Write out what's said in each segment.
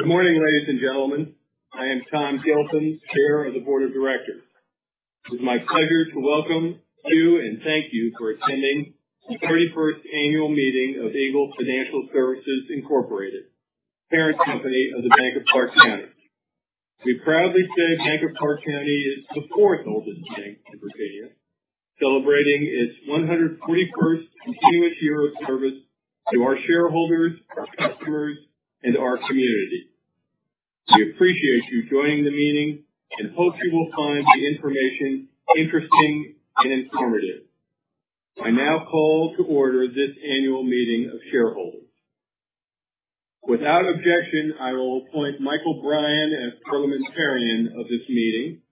Good morning, ladies and gentlemen. I am Thomas Gilpin, chair of the board of directors. It is my pleasure to welcome you and thank you for attending the 41st annual meeting of Eagle Financial Services, Inc., parent company of the Bank of Clarke County. We proudly say Bank of Clarke County is the fourth oldest bank in Virginia, celebrating its 141st continuous year of service to our shareholders, our customers, and our community. We appreciate you joining the meeting and hope you will find the information interesting and informative. I now call to order this annual meeting of shareholders. Without objection, I will appoint Michael Bryan as parliamentarian of this meeting.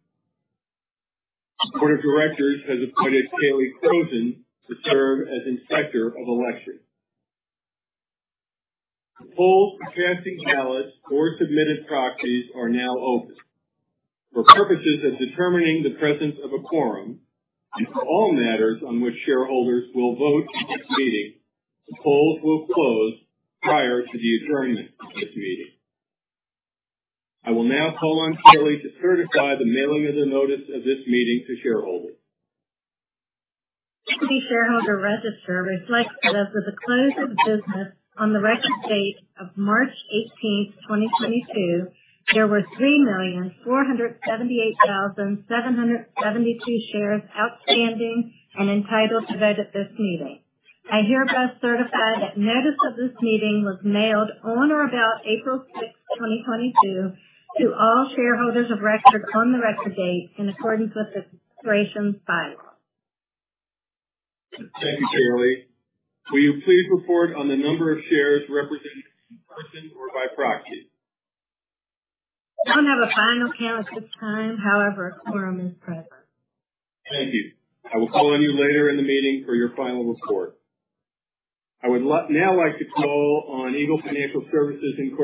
The board of directors has appointed Kathleen Croson to serve as inspector of election. Polls casting ballots or submitted proxies are now open. For purposes of determining the presence of a quorum and for all matters on which shareholders will vote in this meeting, the polls will close prior to the adjournment of this meeting. I will now call on Kaley to certify the mailing of the notice of this meeting to shareholders. The shareholder register reflects that as of the close of business on the record date of March 18th, 2022, there were 3,478,772 shares outstanding and entitled to vote at this meeting. I hereby certify that notice of this meeting was mailed on or about April 6th, 2022 to all shareholders of record on the record date in accordance with the Corporation's bylaws. Thank you, Kaley. Will you please report on the number of shares represented in person or by proxy? I don't have a final count at this time, however, a quorum is present. Thank you. I will call on you later in the meeting for your final report. I now like to call on Eagle Financial Services, Inc.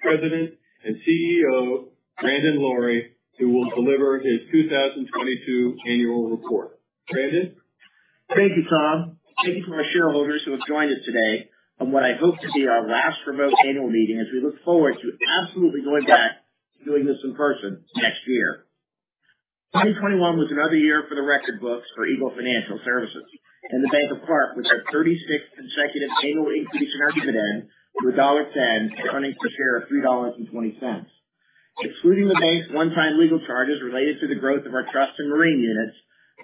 President and CEO, Brandon C. Lorey, who will deliver his 2022 annual report. Brandon. Thank you, Tom. Thank you to our shareholders who have joined us today on what I hope to be our last remote annual meeting, as we look forward to absolutely going back to doing this in person next year. 2021 was another year for the record books for Eagle Financial Services and the Bank of Clarke with our 36th consecutive annual increase in our dividend to $1.10, earnings per share of $3.20. Excluding the bank's one-time legal charges related to the growth of our trust and marine units,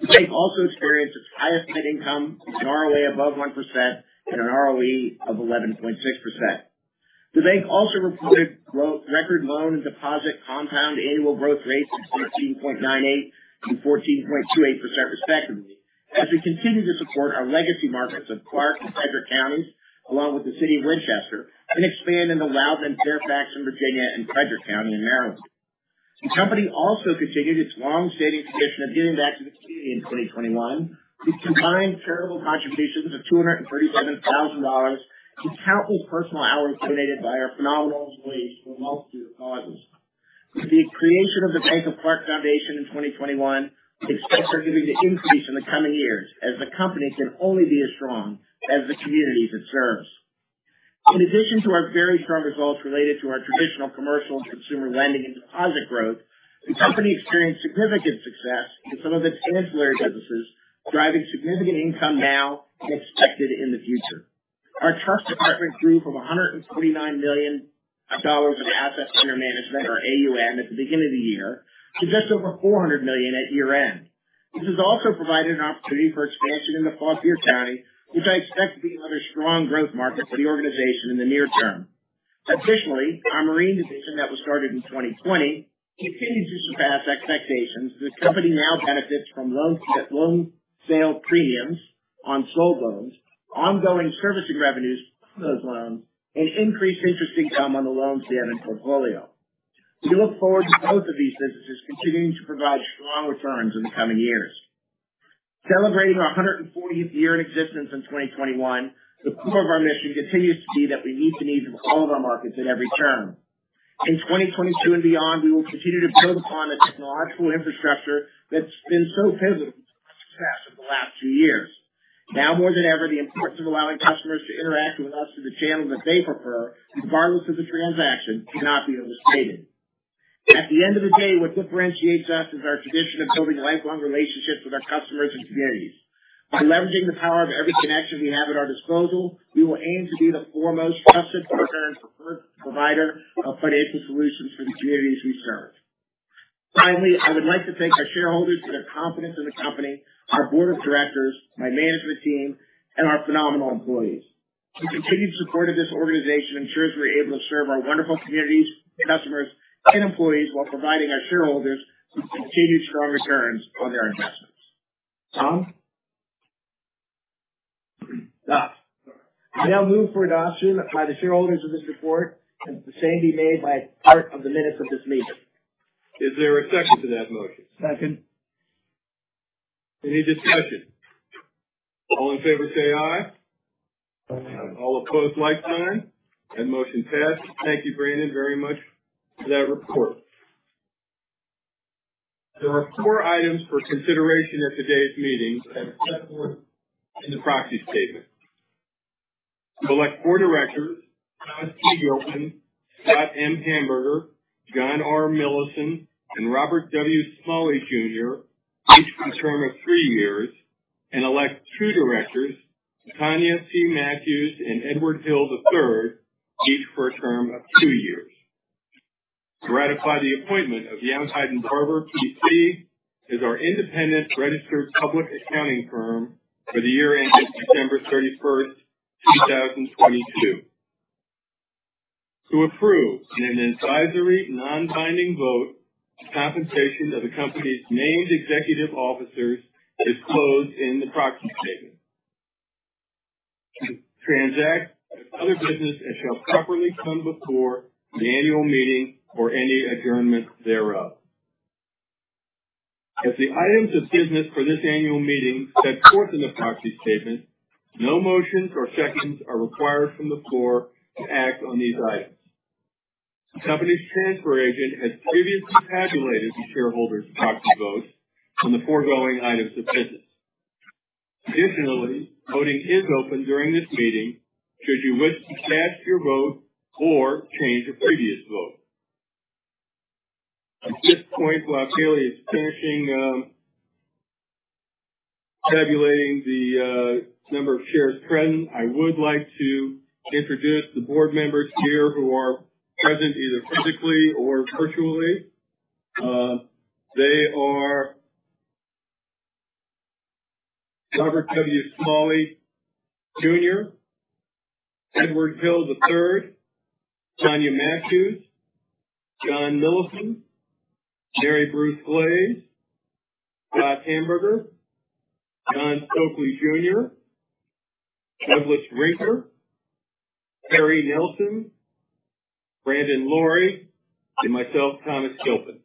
the bank also experienced its highest net income, an ROA above 1% and an ROE of 11.6%. The bank also reported growth, record loan and deposit compound annual growth rates of 16.98% and 14.28% respectively as we continue to support our legacy markets of Clarke and Frederick counties, along with the city of Winchester, and expand in the Loudoun, Fairfax in Virginia, and Frederick County in Maryland. The company also continued its long-standing tradition of giving back to the community in 2021 with combined charitable contributions of $237,000 with countless personal hours donated by our phenomenal employees for a multitude of causes. With the creation of the Bank of Clarke Foundation in 2021, we expect our giving an increase in the coming years as the company can only be as strong as the communities it serves. In addition to our very strong results related to our traditional commercial and consumer lending and deposit growth, the company experienced significant success in some of its ancillary businesses, driving significant income now and expected in the future. Our trust department grew from $129 million of assets under management, or AUM, at the beginning of the year to just over $400 million at year-end. This has also provided an opportunity for expansion into Fauquier County, which I expect to be another strong growth market for the organization in the near term. Additionally, our marine division that was started in 2020 continues to surpass expectations. The company now benefits from loan sale premiums on sold loans, ongoing servicing revenues from those loans, and increased interest income on the loans we have in portfolio. We look forward to both of these businesses continuing to provide strong returns in the coming years. Celebrating our 140th year in existence in 2021, the core of our mission continues to be that we meet the needs of all of our markets at every turn. In 2022 and beyond, we will continue to build upon the technological infrastructure that's been so pivotal to our success over the last two years. Now more than ever, the importance of allowing customers to interact with us through the channel that they prefer, regardless of the transaction, cannot be overstated. At the end of the day, what differentiates us is our tradition of building lifelong relationships with our customers and communities. By leveraging the power of every connection we have at our disposal, we will aim to be the foremost trusted partner and preferred provider of financial solutions for the communities we serve. Finally, I would like to thank our shareholders for their confidence in the company, our board of directors, my management team, and our phenomenal employees. The continued support of this organization ensures we're able to serve our wonderful communities and customers and employees while providing our shareholders with continued strong returns on their investments. Tom. Da. I now move for adoption by the shareholders of this report, and that the same be made a part of the minutes of this meeting. Is there a second to that motion? Second. Any discussion? All in favor say, "Aye." All opposed, "nay." That motion passed. Thank you, Brandon, very much for that report. There are four items for consideration at today's meeting as set forth in the proxy statement. Elect four directors, Thomas T. Gilpin, Scott M. Hamberger, John R. Millison, and Robert W. Smalley Jr., each for a term of three years, and elect two directors, Tanya T. Matthews and Edward Hill III, each for a term of two years. To ratify the appointment of Yount, Hyde & Barbour, P.C. as our independent registered public accounting firm for the year ending December 31st, 2022. To approve, in an advisory non-binding vote, the compensation of the company's named executive officers disclosed in the proxy statement. To transact such other business as shall properly come before the annual meeting or any adjournment thereof. As the items of business for this annual meeting set forth in the proxy statement, no motions or seconds are required from the floor to act on these items. The company's transfer agent has previously tabulated the shareholders' proxy votes on the foregoing items of business. Additionally, voting is open during this meeting should you wish to cast your vote or change a previous vote. At this point, while Kaley is finishing tabulating the number of shares present, I would like to introduce the board members here who are present either physically or virtually. They are Robert W. Smalley Jr., Edward Hill III, Tanya Matthews, John R. Millison, Mary Bruce Glaize, Scott M. Hamberger, John D. Stokely Jr., Douglas C. Rinker, Cary C. Nelson, Brandon C. Lorey, and myself, Thomas T. Gilpin.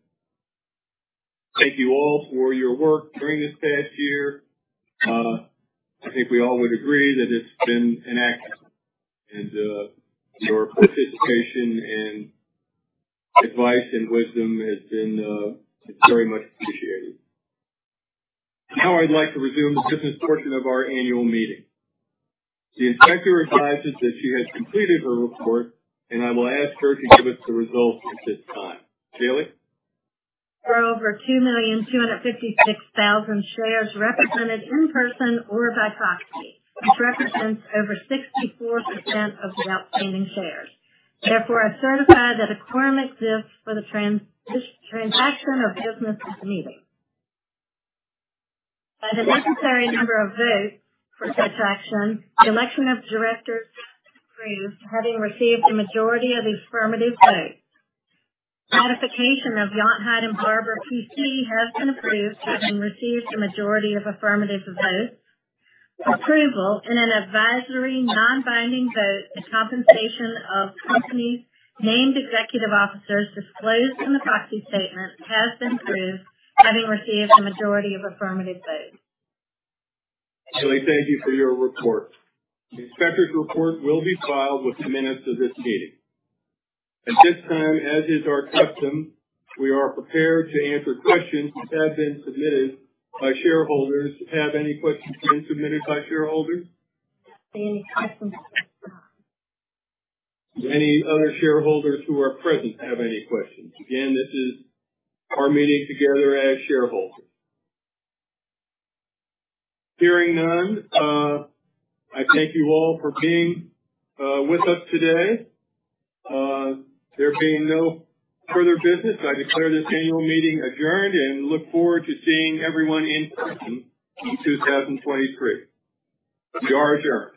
Thank you all for your work during this past year. I think we all would agree that it's been an act, and your participation in advice and wisdom has been, it's very much appreciated. Now I'd like to resume the business portion of our annual meeting. The inspector advises that she has completed her report, and I will ask her to give us the results at this time. Kaley. There are over 2,256,000 shares represented in person or by proxy, which represents over 64% of the outstanding shares. Therefore, I certify that a quorum exists for this transaction of business at the meeting. By the necessary number of votes for such action, the election of directors has been approved, having received a majority of affirmative votes. Ratification of Yount, Hyde & Barbour, P.C. has been approved, having received a majority of affirmative votes. Approval in an advisory non-binding vote, the compensation of company's named executive officers disclosed in the proxy statement has been approved, having received a majority of affirmative votes. Kaley, thank you for your report. The inspector's report will be filed with the minutes of this meeting. At this time, as is our custom, we are prepared to answer questions that have been submitted by shareholders. Have any questions been submitted by shareholders? Any questions. Do any other shareholders who are present have any questions? Again, this is our meeting together as shareholders. Hearing none, I thank you all for being with us today. There being no further business, I declare this annual meeting adjourned and look forward to seeing everyone in person in 2023. We are adjourned.